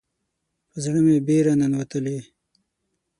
په زړه مې بیره ننوتلې